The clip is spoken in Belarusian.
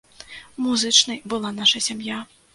Музычнай была наша сям'я.